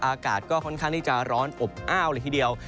อากาศก็ค่อนข้างที่จะร้อนอบอ้าวเลยทีเดียว